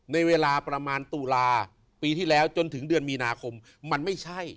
ในเวลาประมาณตุลาปีที่แล้วจนถึงเดือนมีนาคมมันไม่ใช่